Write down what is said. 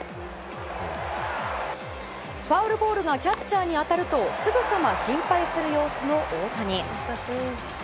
ファウルボールがキャッチャーに当たるとすぐさま心配する様子の大谷。